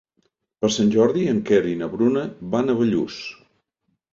Per Sant Jordi en Quer i na Bruna van a Bellús.